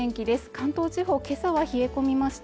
関東地方けさは冷え込みました